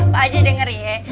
pak haji dengerin ya